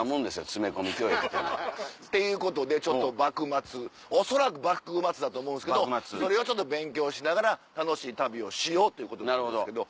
詰め込み教育っていうのは。っていうことでちょっと幕末恐らく幕末だと思うんですけどそれを勉強しながら楽しい旅をしようということなんですけど。